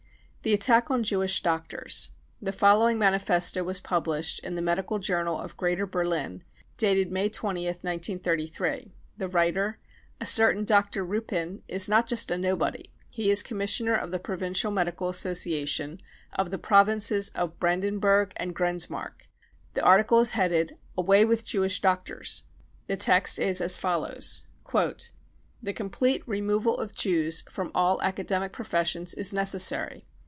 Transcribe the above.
The Attack on Jewish Doctors. The following manifesto was published in the Medical Journal of Greater Berlin, dated May 20th, 1933. The writer, a certain Dr. Ruppin, is not just a nobody ; he is Commissioner of the Provincial Medical Association of the provinces of Bran denburg and Grenzmark. The article is headed u Away with Jewish Doctors ! 55 The text is as follows : cc The complete removal of Jews from all academic pro fessions is necessary.